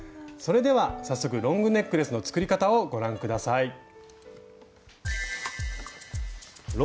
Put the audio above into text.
それでは早速ロングネックレスの作り方をご覧下さい。